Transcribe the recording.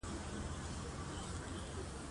هلته د سترګو غړول او یو بل ته کتل نه وو.